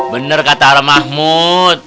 bener kata alam mahmud